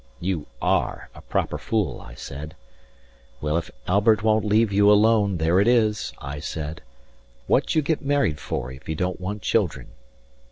You are a proper fool, I said. Well, if Albert won't leave you alone, there it is, I said, What you get married for if you don't want children?